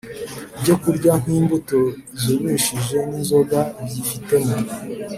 ibyo kurya nkimbuto zumishije ninzoga byifitemo